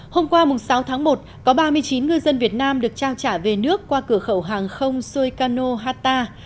hôm qua sáu tháng một có ba mươi chín ngư dân việt nam được trao trả về nước qua cửa khẩu hàng không soikano hata